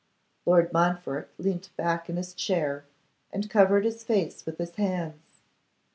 Lord Montfort leant back in his chair, and covered his face with his hands.